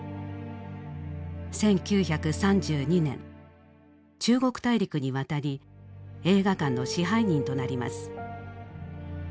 １９３２年中国大陸に渡り映画館の支配人となります。